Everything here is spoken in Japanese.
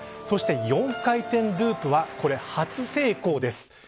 そして、４回転ループは初成功です。